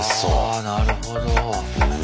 あなるほど。